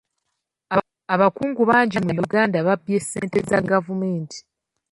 Abakungu bangi mu Uganda babbye ssente za gavumenti.